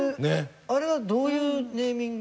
あれはどういうネーミング？